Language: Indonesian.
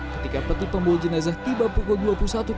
ketika peti pembawa jenazah tiba pukul dua puluh satu tiga puluh